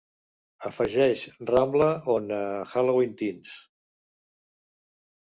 Afegeix Ramble On a Helloween Teens.